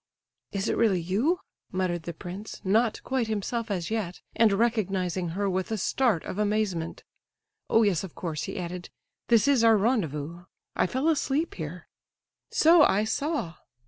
"Is it really you?" muttered the prince, not quite himself as yet, and recognizing her with a start of amazement. "Oh yes, of course," he added, "this is our rendezvous. I fell asleep here." "So I saw."